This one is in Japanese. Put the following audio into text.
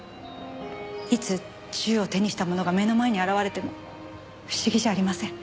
いつ銃を手にした者が目の前に現れても不思議じゃありません。